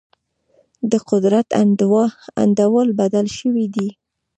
د قدرت انډول بدل شوی دی.